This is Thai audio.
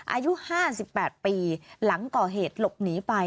อายุ๕๘ปีหลังก่อเหตุหลบหนีไป